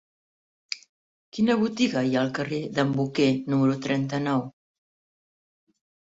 Quina botiga hi ha al carrer d'en Boquer número trenta-nou?